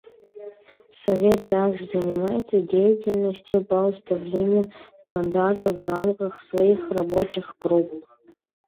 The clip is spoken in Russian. Совет также занимается деятельностью по установлению стандартов в рамках своих рабочих групп.